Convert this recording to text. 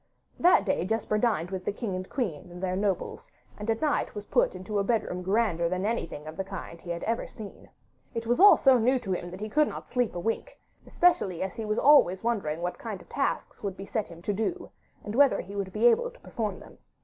That day Jesper dined with the king and queen and their nobles, and at night was put into a bedroom grander than anything of the kind he had ever seen. It was all so new to him that he could not sleep a wink, especially as he was always wondering what kind of tasks would be set him to do, and whether he would be able to perform them.